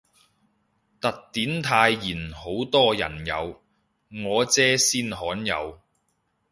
特典泰妍好多人有，我姐先罕有